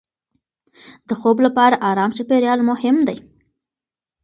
د خوب لپاره ارام چاپېریال مهم دی.